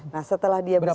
nah setelah dia bisa